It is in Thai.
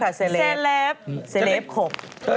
แล้วมันไม่ใช่ยายงสักมั้ยครับ